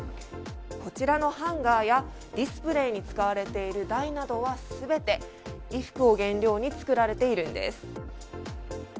こちらのハンガーやディスプレーに使われている台は全て衣服を原料に作られているんです。